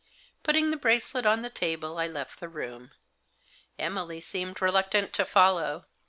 Putting the bracelet on the table, I left the room. Emily seemed reluctant to follow.